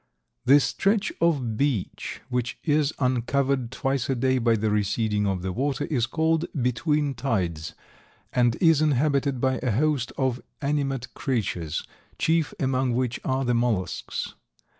The stretch of beach which is uncovered twice a day by the receding of the water is called "between tides," and is inhabited by a host of animate creatures, chief among which are the mollusks.